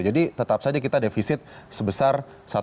jadi tetap saja kita defisit sebesar